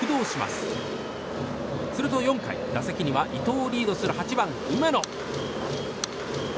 すると４回、打席には伊藤をリードする８番、梅野。